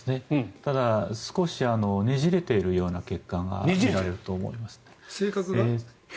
ただ、少しねじれているような血管が見られると思います。